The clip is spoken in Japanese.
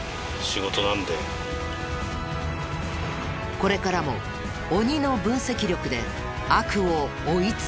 これからも鬼の分析力で悪を追い詰める。